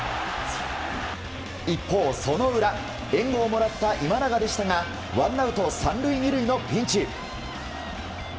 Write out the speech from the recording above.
一方その裏、援護をもらった今永でしたがワンアウト３塁２塁のピンチ。